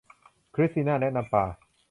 คริสติน่าแนะนำปลา